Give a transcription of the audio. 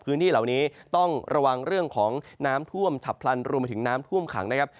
พื้นที่เหล่านี้ต้องระวังเรื่องของน้ำท่วมฉับพลันรวมไปถึงน้ำท่วมขังนะครับ